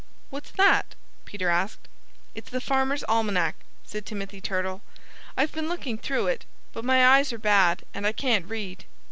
"What's that?" Peter asked. "It's the Farmer's Almanac," said Timothy Turtle. "I've been looking through it; but my eyes are bad and I can't read."